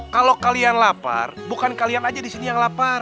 kalau kalian lapar bukan kalian aja di sini yang lapar